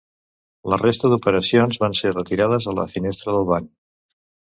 La resta d’operacions van ser retirades a la finestreta del banc.